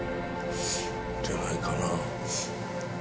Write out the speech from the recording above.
じゃないかな。